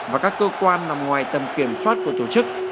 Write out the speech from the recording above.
và các cơ quan nằm ngoài tầm kiểm soát của tổ chức